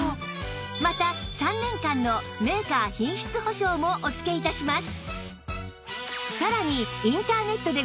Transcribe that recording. また３年間のメーカー品質保証もお付け致します